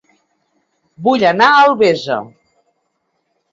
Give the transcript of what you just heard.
Vull anar a Albesa